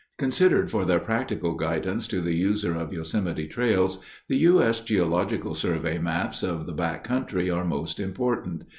Considered for their practical guidance to the user of Yosemite trails, the U. S. Geological Survey maps of the back country are most important.